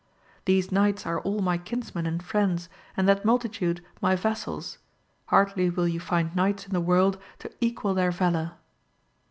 Th^se knights are all my kinsmen and friends, and that multitude my vassals, hardly will you find knights in the world to equal their valour.